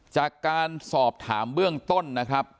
จากการสอบถามเบื้องต้นนะครับ